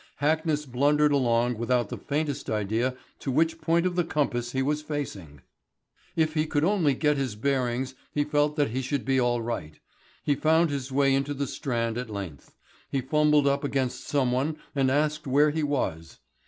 Hackness blundered along without the faintest idea to which point of the compass he was facing. If he could only get his bearings he felt that he should be all right. He found his way into the Strand at length; he fumbled up against someone and asked where he was.